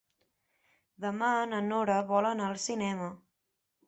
Demà na Nora vol anar al cinema.